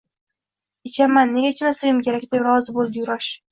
Ichaman, nega ichmasligim kerak, – deb rozi boʻldi Yurash.